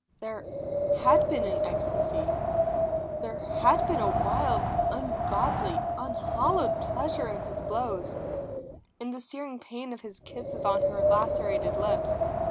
There had been an ecstasy; there had been a wild, ungodly, unhallowed pleasure in his blows, in the searing pain of his kisses on her lacerated lips.